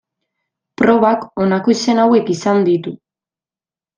Probak honako izen hauek izan ditu.